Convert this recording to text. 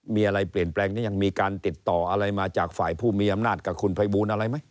มีอะไรเปลี่ยนแปลงนี้ยังมีการติดต่ออะไรมาจากฝ่ายผู้มีอำนาจกับคุณภัยบูลอะไรไหม